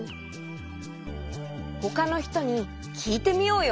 ほかのひとにきいてみようよ。